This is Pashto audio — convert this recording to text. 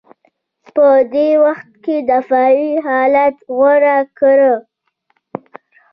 په دې وخت کې دفاعي حالت غوره کړ